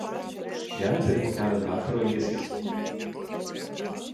Jam įtarimų kelia daktaro elgesys.